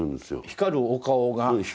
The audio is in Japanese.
光るお顔が。